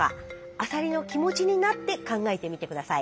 アサリの気持ちになって考えてみて下さい。